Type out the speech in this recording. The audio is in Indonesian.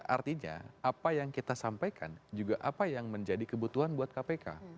artinya apa yang kita sampaikan juga apa yang menjadi kebutuhan buat kpk